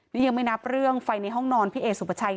นี่ยังไม่นับเรื่องไฟในห้องนอนพี่เอสุปชัย